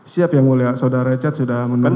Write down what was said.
siap yang mulia saudara richard sudah menunggu